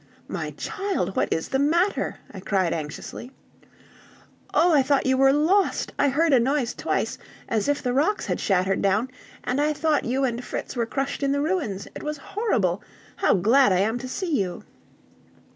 "My child, what is the matter?" I cried anxiously. "Oh, I thought you were lost! I heard a noise twice, as if the rocks had shattered down; and I thought you and Fritz were crushed in the ruins! It was horrible! How glad I am to see you!"